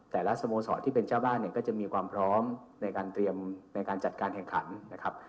สโมสรที่เป็นเจ้าบ้านเนี่ยก็จะมีความพร้อมในการเตรียมในการจัดการแข่งขันนะครับ